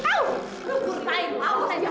lu kurang lain lautan aja